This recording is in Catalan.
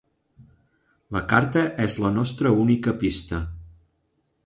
La carta és la nostra única pista.